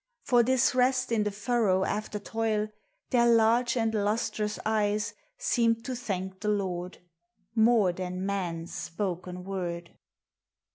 For this resl in Hie furrow all' r t< il Their large and lustrous <•; Seem to thank the Lord, More than man's spoken wore!.